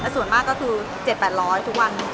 ส่วนมากก็คือ๗๘๐๐ทุกวัน